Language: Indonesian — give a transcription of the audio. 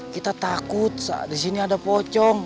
kita takut di sini ada pocong